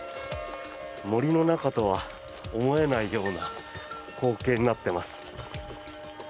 森の中とは思えないような光景になっています。